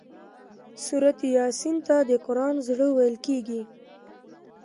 سورة یس ته د قران زړه ويل کيږي